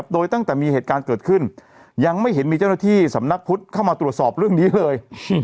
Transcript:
โดยตั้งแต่มีเหตุการณ์เกิดขึ้นยังไม่เห็นมีเจ้าหน้าที่สำนักพุทธเข้ามาตรวจสอบเรื่องนี้เลย